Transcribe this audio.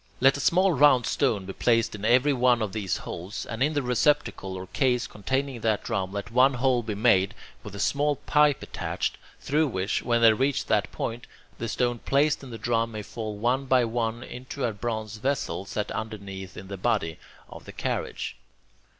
Let a small round stone be placed in every one of these holes, and in the receptacle or case containing that drum let one hole be made, with a small pipe attached, through which, when they reach that point, the stones placed in the drum may fall one by one into a bronze vessel set underneath in the body, of the carriage.